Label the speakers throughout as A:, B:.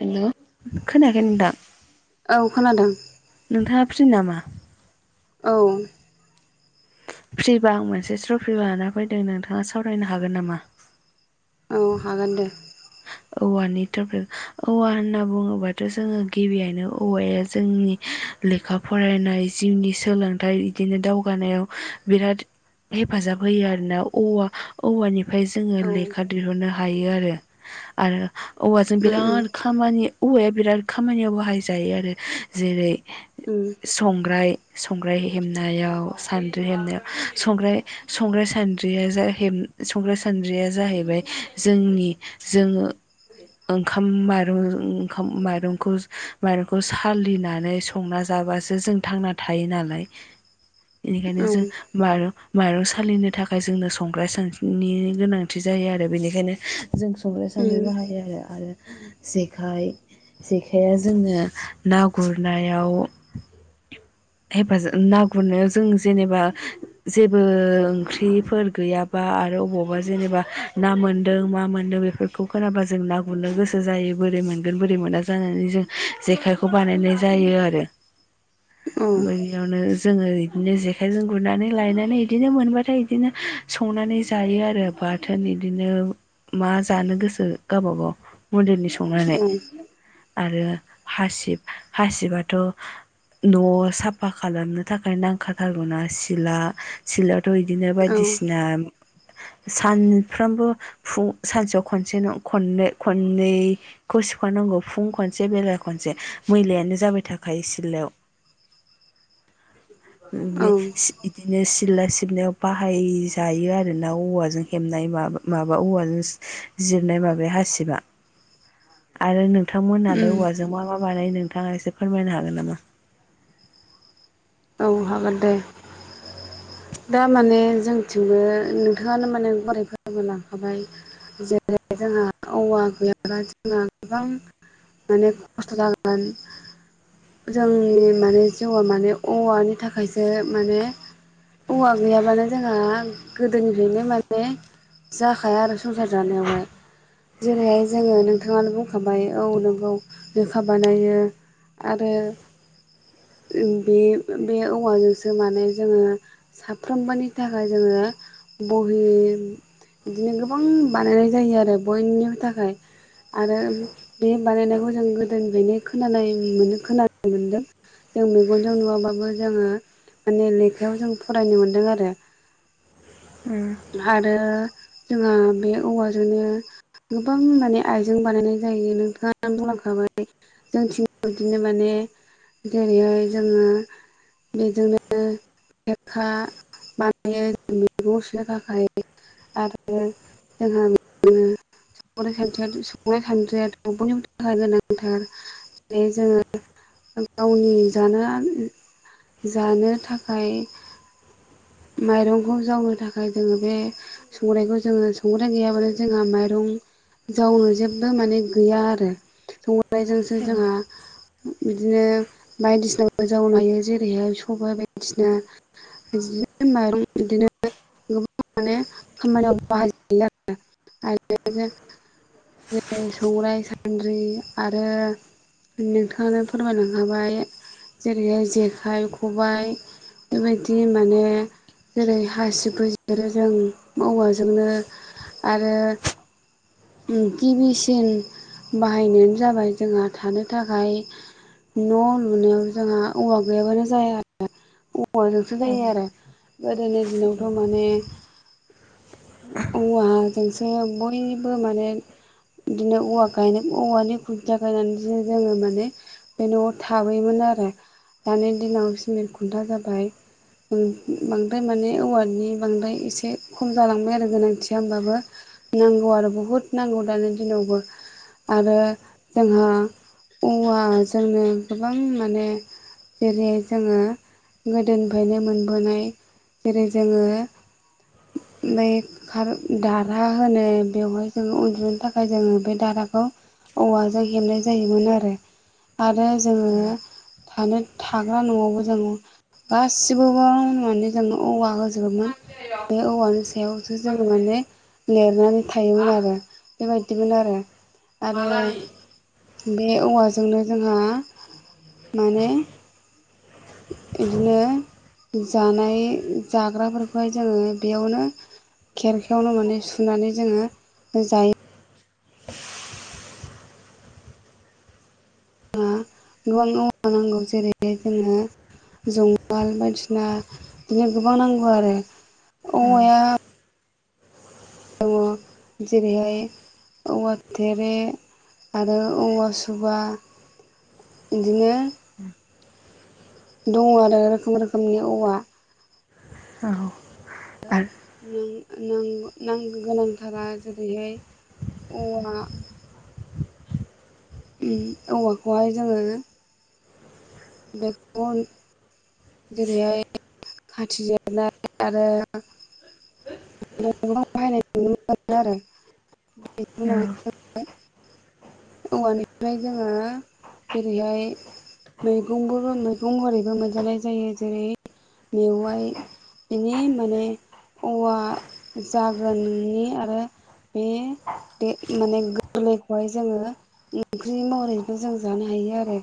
A: हेल' खोनाखै नोंथां
B: औ खोनादों
A: नोंथाङा फ्रि नामा?
B: औ
A: फ्रिबा आं मोनसे टफिट लाना फैदों नोंथाङा सावरायनो हागोन नामा?
B: औ हागोन दे
A: औवानि टपिक औवा होनना बुङोबाथ' जोङो गिबियावनो औवाया जोंनि लेखा फरायनाय जिउनि सोलोंथाइ बिदिनो दावगानायाव बिराद हेफाजाब होयो आरो ना औवा -औवानि फ्राय जोङो
B: औ
A: लेखा
B: उम
A: दिहुननो हायो आरो आरो औवाजों बिराद खामानि औवाया बिराद खामानियाव बाहायजायो आरो जेरै
B: उम
A: संग्राय संग्राय हेबनायाव सान्द्रि हेबनायाव संग्राय संग्राय सान्द्रिया जा संग्रा सानद्रिया जाहैबाय जोंनि जोङो ओंखाम माइरं ओंखाम माइरंखौ माइरंखौ सालिनानै संना जा बासो जों थांना थायो नालाय बेनिखायनो
B: उम
A: जों मार माइरं सालिनो थाखाय जोंनो संग्राय सानद्रिनि गोनांथि जायो आरो बेनिखायनो जों संग्राय
B: उम
A: सानद्रिबो हायो आरो आरो जेखाइ जेखाइया जोङो ना गुरनायाव हेफाजाब ना गुरनायाव जों जेनेबा जेबो ओंख्रिफोर गैयाबा आरो अबावबा जेनेबा ना मोन मा मोनदों बेफोरखौ खोनाबा जों ना गुरनो गोसो जायो बोरै मोनगोन बोरै मोना जानानै जों जेखायखौ बानायनाय जायो आरो
B: उम औ
A: बेयावनो जोङो बिदिनो जेखाइजों गुरनानै लायनानै बिदिनो मोनबाथाय बिदिनो संनानै जायो आरो बाथोन बिदिनो मा जानो गोसो गावबागाव मन्दिरनि स
B: औ
A: आरो हासिब हासिबाथ न' साफा खालामनो थाखाय नांखाथारगौना सिला सिल थ बिदिनो
B: औ
A: बायदिसिना सानफ्रोमबो फुं सानसेयाव खनसे ख खननैखौ सेख नांगौ फुं खनसे बेला खनसे मैलायानो जाबाय थाखायो सिलायाव बे सि इदिनो सि सिथला सिबनायाव बाहायजायो आरो ना औवाजों हेबनाय बा माबा औवाजों जिरनाय माबाया हासिबा आरो नों नोंथांमोनहालाय
B: उम
A: औवाजों मा मा बानायो नोंथाङा एसे फोरमायनो हागोन नामा?
B: औ हागोन दे दा माने जोंथिंबो नोंथाङानो माने गराय फोरबो लाखाबाय जेरै जोंहा औवा गैयाब्ला जोंहा गोबां माने खस्थ जागोन जोंनि माने जिउआ माने औवानि थाखायसो माने औवा गैयाबानो जोंहा गोदोनिफ्रायनो माने जाखाया आरो संसार जानायावहाय जेनैहाय जोङो नोंथाङानो बुंखाबाय औ नोंगौ लेखा बानायो आरोओ बे बे औवाजोंसो माने जोङो साफ्रोमबोनि थाखाय जोङो ब हि बिदिनो गोबां बानायनाय जायो आरो बयनिबो थाखाय आरो बे बानायनायखौ जों गोदोनिफ्रायनो खोनानाय मोनो खोनानो मोनदों जोंनो मेगनजों नुवाबाबो जोङो माने लेखायाव जों फरायनो मोनदों आरो
A: ओम
B: आरो जोंहा बे औवाजोंनो गोबां माने आइजें बानायनाय जायो नोंथाङा बुंलांखाबाय जोंथिंव [unintelligible] बिदिनो माने जेरैहाय जोङो बेजोंनो लेखा बानायो जों मैगं सो थाखाय आरो जोंहा बिदिनो स स्रि [unintelligible] संनाय सानद्रियाथ' बयनिबो थाखाय गोनांथार जेरै जोङो गावनि जानो जानो थाखाय
A: [unintelligible]
B: माइरंखौ जावनो थाखाय जोङो बे संग्रायखौ जोङो संग्राय गैयाबानो जोंहा माइरं जावनो जेबो माने गैया आरो संग्राय जोंसो जोंहा बिदिनो बायदिसिना मोजाव हायो जेरैहाय सबाय बायदिसिना बिदिनो माइरं बिदिनो मान [unintelligible] आरोना [unintelligible] जों संग्राय सान्द्रि आरो नोंथाङानो फोरमायलांखाबाय जेरैहाय जेखाइ खबाय बेबायदि माने जेरै हासिबो जिरो जों औवाजोंनो आरो गिबिसिन बाहायनायानो जाबाय जोंहा थानो थाखाय न' लुनायाव जोंहा औवा गैयाबानो जाया आरो औवाजोंसो
A: औ
B: जायो आरो गोदोनि दिनावथ' माने औवाजोंसो बयबो माने बिदिनो औवा गायनो औवानि खुनथिया गायनानै जोङो माने बे न'आव थाबैयोमोन आरो दानि दिनाव सिमेर खुनथा जाबाय ओम बांद्राय माने औवानि बांद्राय एसे खम जालांबाय आरो गोनांथिया होमबाबो नांगौ आरो बहुद नांगौ दानि दिनावबो आरो जोंहा औवाजोंनो गोबां माने जेरै जोङो गोदोनिफ्रायनो मोनबोनाय जेरै जोङो
A: औ [unintelligible]
B: ओमफ्राय खार दारहा होनो बेवहाय जोङो उनदुनो थाखाय जोङो बे दारहाखौ औवाजों हेबनाय जायोमोन आरो आरो आरो जोङो थानो थाग्रा न'आवबो जों गासिबोबो माने जों औवा होजोब बोमोन बे औवानि सायावसो जों माने लिरनानै थायोमोन आरो बेबायदिमोन आरो आरो बे औवाजोंनो जोंहा माने बिदिनो जानाय जाग्राफोरखौहाय जोङो बेयावनो। खेरखायावनो माने सुनानै जोङो जायो। जोंहा गोबां औवा नांगौ जेरै जोङो। जंगाल बायदिसिना बिदिनो गोबां नांगौ आरो औवाया दङ
A: [inaudible]
B: जेरैहाय औवा [unintelligible] आरो अवा सुबा इदिनो दङ आरो रोखोम रोखोमनि औवा।
A: औ। आरो
B: [inaudible] नांग गोनांथारा जेरैहाय औवा। ओम औवाखौहाय जोङो [unintelligible] जेरैहाय खाथि जेरनाय आरो। बाहायनाय नुनो मोनो आरो
A: औ
B: उनाव औवानिफ्राय जोङो जेरैहाय मैगंबो मैगं हरैबो मोनजानाय जायो जेरै मेवाइ बिनि माने औवा जागोन नोंनि आरो बे माने गोरलैखौहाय जोङो ओंख्रि महरैबो जों जानो हायो आरो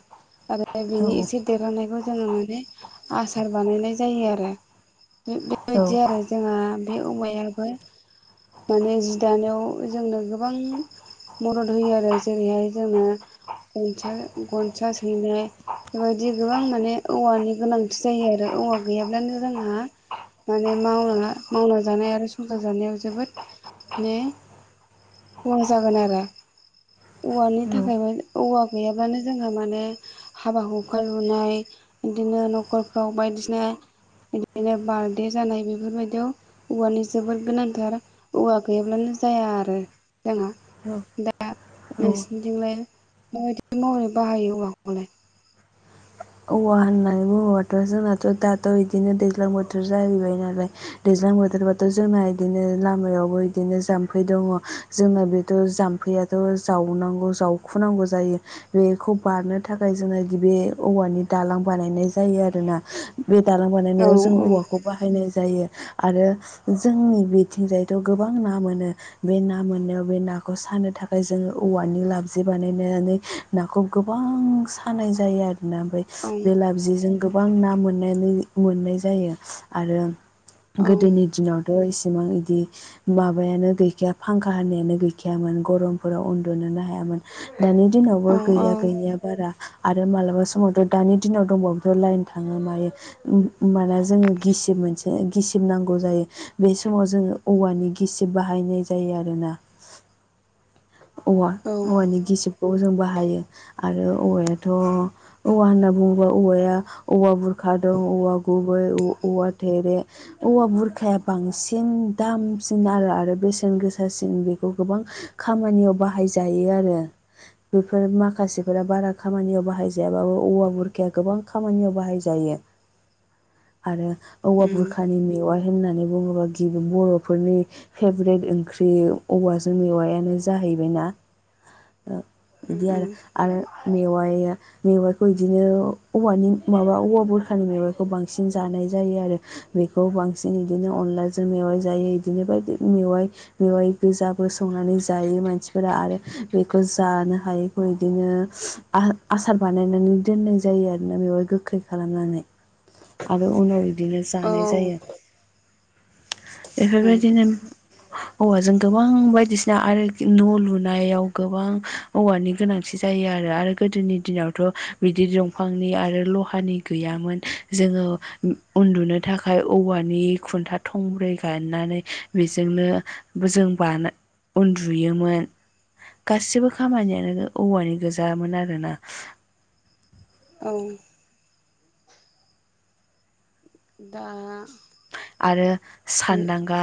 B: आरो फ्राय बिनि एसे देरहानायखौ जोङो माने आसार बानायनाय जायो आरो।
A: औ
B: बेबायदि आरो जोंहा बे औवायाबो। माने जि दानायाव जोंनो गोबां मदद होयो आरो जेरैहाय जोङो गनसा गनसा सैनाय बेबायदि गोबां माने औवानि गोनांथि जायो आरो औवा गैयाब्लानो जोंहा माने मावलाङा मावना जानाय आरो संसार जानायाव जोबोद माने खहा जागोन आरो। औवानि थाखायबो औवा गैयाब्लानो जोंहा माने हाबा हुखा लुनाय बिदिनो न'खरफ्राव बायदिसिना बिदिनो बार्डे जानाय बेफोरबायदियाव औवानि जोबोद गोनांथार औवा गैयाब्लानो। जाया आरो जोंहा दा
A: औ
B: नोंसिनिथिंलाय [unintelligible] महरब हायो आलाय
A: औवा होननानै बुङोबाथ' जोंनाथ' दाथ' बिदिनो दैज्लां बोथोर जाहैबाय नालाय दैज्लां। दैजां बोथोरबाथ' जोंना बिदिनो लामायावबो इदिनो जामफै दङ जोंना बेथ' जामफै आरो। जावनांगौ जावखुनांगौ जायो बेखौ बारनो थाखाय जोङो गिबि। औवानि दालां बानायनाय जायो आरोना बे दालां
B: औ
A: बानायनायाव जों औवाखौ बाहायनाय जायो। आरो जोंनि बिथिंजायथ' गोबां ना मोनो बे ना मोननायाव बे नाखौ सानो थाखाय जोङो औवानि लाबजि बानायनानै नाखौ गोबां सानाय जायो आरो ना ओमफ्राय
B: औ
A: बे लापजिजों गोबां ना मोन मोननाय जायो आरो गोदोनि दिनावथ' एसे बिसेबां बिदि माबायानो गैखाया फांखा होनानायानो गैखायामोन गरमफोराव उन्दुनोनो हायामोन। दानि दिनावबो
B: औ औ
A: गैया गैनाया बारा आरो मालाबा सम समावथ' दानि दिनाव दंबावोथ' लाइन थाङो मायो ओमबाना जोङो गिसिब मोनसे गिसिब गिसिबनांगौ जायो बे समाव जोङो औवानि गिसिब बाहायनाय जायो आरोना। [inaudible] औवा
B: औ
A: औवानि गिसिबखौ जों बाहायो आरो औवायाथ' औवा होनना बुङोबा औवाया औवा बुरखा दं औवा गुबै औवा थेरे औवा बुरखाया बांसिन दामसिन आरो आरो बेसेन गोसासिन बेखौ गोबां खामानियाव बाहाय जायो आरो बेफोर माखासेफोरा बारा खामानियाव बाहाय जाया औवा बुरखाया गोबां खामानियाव बाहाय जायो आरो औवा
B: उम
A: बुरखानि मेवाइ होननानै बुङोबा गिबि बर'फोरनि फेभ्रेट ओंख्रि औवाजों मेवायानो जा हैैबायना बिदि
B: उम
A: आरो आरो मेवाइ मैवाइखौ बिदिनो औवानि माबा औवा बुरखानि मैवाइखौ बांसिन जानाय जायो आरो बेखौ बांसिन बिदिनो अनलाजों मेवाइ जायो इदिनो बायदि मेवाइ मेवाइ गोजाबो संनानै जायो मानसिफोरा आरो बेखौ जानो हायिखौ इदिनो आ आसार बानायनानै दोननाय जायो आरोना बमेवाय गोखै खालामनानै आरो उनाव बिदिनो
B: औ
A: जानाय जायो बेफोरबायदिनो औवाजों गोबां बायदिसिना आरो न' लुनायाव गोबां औवानि गोनांथि जायो आरो, आरो गोदोनि दिनाव थ' बिदि दंफांनि आरो ल'हानि गैयामोन जोङो उन्दुनो थाखाय औवानि खुन्था थंब्रै गायनानै बेजोंनो जों बा उन्दुयोमोन गासिबो खामानियानो औवानि गोजामोन आरोना
B: औ दा
A: आरो सानदांगा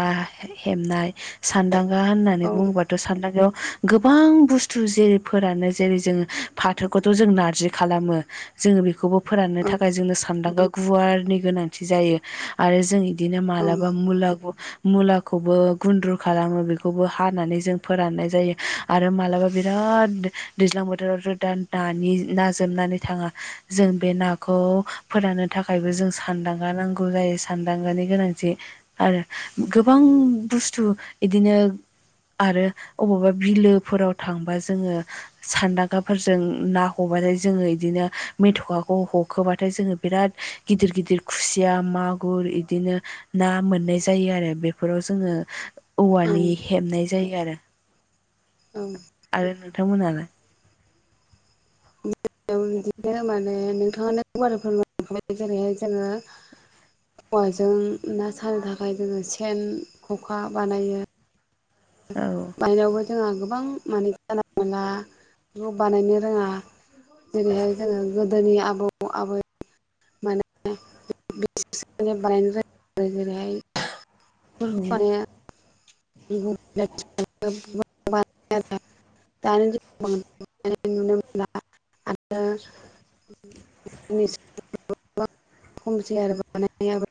A: हेबनाय सानदांग गा होननानै
B: औ
A: बुंबाथ' सानदांगायाव गोबां बुस्थु जेरैफोरानो जेरै जोङो फाथोखौथ' जों नारजि खालामो जोङो बेखौबो फोराननो
B: औ
A: थाखाय जोंनो सानदांगा गुवारनि गोनांथि जायो आरो जों बिदिनो
B: औ
A: मालाबा मुला मुलाखौबो गुन्द्रु खालामो बेखौबो हानानै जों फोराननाय जायो आरो मालाबा बिराद राद दैज्लां बोथोरावथ' दा नानि ना जोबनानै थाङा जों बे नाखौ फोरननो थाखायबो जों सानदांगा नांगौ जायो सानदांगानि गोनांथि आरो गोबां बुस्थु इदिनो आरो अबावबा बिलोफोराव थांबा जोङो सानदागाफोरजों ना हम बाथाय जोङो बिदिनो मेथ'खाखौ ह'खोबाथाय जोङो बिराद गिदिर गिदिर खुसिया मा गुर इदिनो ना मोननाय जायो आरो बेफोराव जोङो
B: औ
A: औवानि हेबनाय जायो आरो
B: औ
A: थांमोननालाय?
B: बिदिनो माने थाङानो गुवारै फोरमायलांनखाबाय जेरैहाय जोङो औवाजों ना सानो थाखाय जोङो सेन, ख'खा बानायो
A: औ
B: बायनावबो जोङा गो गोबां माने जाना मोनला बेखौ बानायनो रोङा जेरैहाय जोङो दोनि आबौ आबै [unintelligible] [unintelligible] दानि दिनाव बांद्राय नुनो मोनला आ आरो गोबां खमसै आरो बानायनायाबो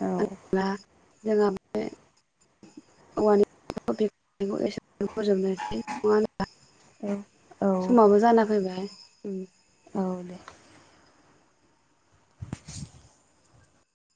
A: औ
B: [unintelligible]
A: औ
B: [unintelligible]
A: औ
B: समाबो जाना फैबाय
A: औ दे